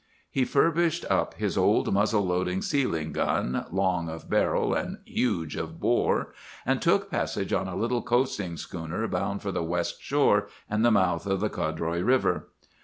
He furbished up his old muzzle loading sealing gun, long of barrel and huge of bore, and took passage on a little coasting schooner bound for the West Shore and the mouth of the Codroy River.